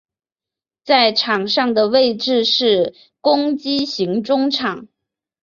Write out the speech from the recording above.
在场上的位置是攻击型中场。